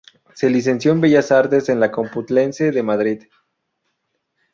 Se licenció en Bellas Artes en la Complutense de Madrid.